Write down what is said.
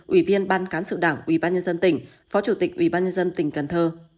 ủy viên ban cán sự đảng ủy ban nhân dân tỉnh phó chủ tịch ủy ban nhân dân tỉnh cần thơ